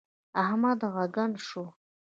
احمد ږغن شو.